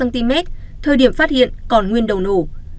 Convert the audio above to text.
thời điểm phát hiện còn nguyên đầu nổ